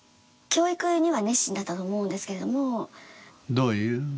どういう？